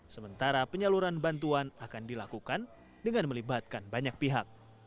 sementara penyaluran bantuan akan dilakukan dengan melibatkan banyak pihak